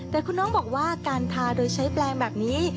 แต่คุณน้องบอกว่าการทาโดยใช้แปลงแบบนี้